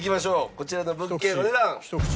こちらの物件お値段。